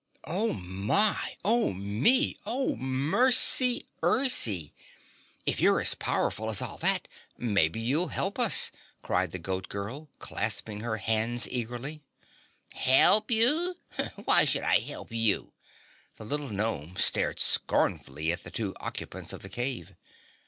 "Oh, my! Oh, me! Oh, mercy ercy! If you're as powerful as all that, maybe you'll help us!" cried the Goat Girl, clasping her hands eagerly. "Help you? Why should I help you?" The little Gnome stared scornfully at the two occupants of the cave.